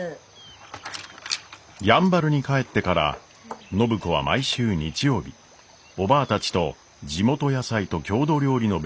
やんばるに帰ってから暢子は毎週日曜日おばぁたちと地元野菜と郷土料理の勉強会を開いています。